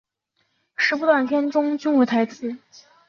十部短片中均无台词。